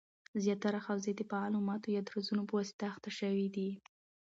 زیاتره حوزې د فعالو ماتو یا درزونو پواسطه احاطه شوي دي